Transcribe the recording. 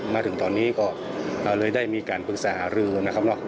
มาถึงตอนนี้ก็เลยได้มีการปรึกษาหารือนะครับ